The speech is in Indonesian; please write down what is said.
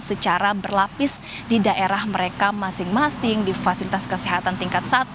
secara berlapis di daerah mereka masing masing di fasilitas kesehatan tingkat satu